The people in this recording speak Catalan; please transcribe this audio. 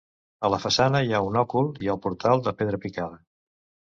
A la façana hi ha un òcul i el portal de pedra picada.